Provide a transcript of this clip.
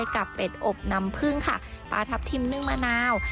เป็ดอบน้ำพึ่งค่ะปลาทับทิมนึ่งมะนาว